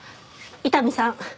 伊丹さん。